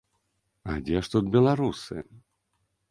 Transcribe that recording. А дзе ж тут беларусы?